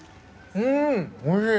うんおいしい！